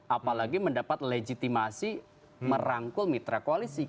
apalagi mendapat legitimasi merangkul mitra koalisi